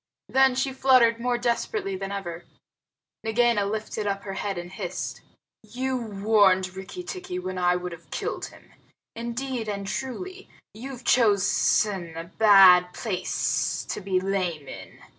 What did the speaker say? Then she fluttered more desperately than ever. Nagaina lifted up her head and hissed, "You warned Rikki tikki when I would have killed him. Indeed and truly, you've chosen a bad place to be lame in."